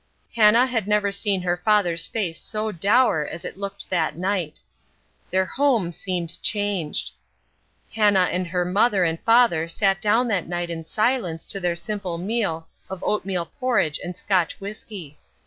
Hannah had never seen her father's face so dour as it looked that night. Their home seemed changed. Hannah and her mother and father sat down that night in silence to their simple meal of oatmeal porridge and Scotch whisky.